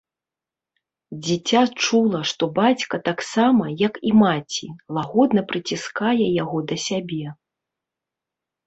Дзіця чула, што бацька таксама, як і маці, лагодна прыціскае яго да сябе.